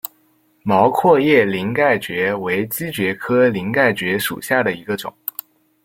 毛阔叶鳞盖蕨为姬蕨科鳞盖蕨属下的一个种。